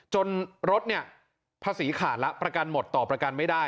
รถเนี่ยภาษีขาดแล้วประกันหมดต่อประกันไม่ได้